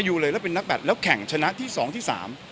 จะเป็นนักแบทแล้วแข่งชนะที่สองที่สาม